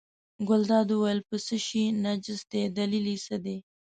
ګلداد وویل په څه شي نجس دی دلیل یې څه دی.